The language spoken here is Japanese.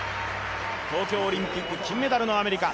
東京オリンピック金メダルのアメリカ。